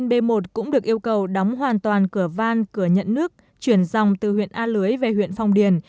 b một cũng được yêu cầu đóng hoàn toàn cửa van cửa nhận nước chuyển dòng từ huyện a lưới về huyện phong điền